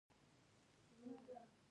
ایا زه باید بهر اوسم؟